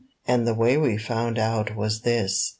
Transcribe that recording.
And the way we found out was this.